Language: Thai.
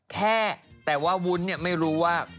แค่แต่ว่าวุ้นไม่รู้ว่า